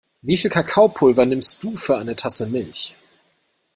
Wie viel Kakaopulver nimmst du für eine Tasse Milch?